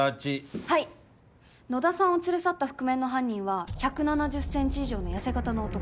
はい野田さんを連れ去った覆面の犯人は１７０ｃｍ以上の痩せ型の男。